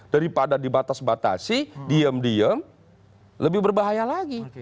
daripada dibatas batasi diem diem lebih berbahaya lagi